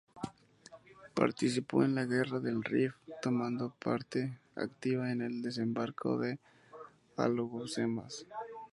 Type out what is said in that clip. Participó en la Guerra del Rif, tomando parte activa en el desembarco de Alhucemas.